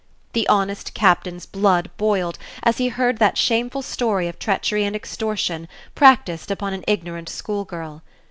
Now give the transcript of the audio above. The honest captain's blood boiled as he heard that shameful story of treachery and extortion practised upon an ignorant school girl.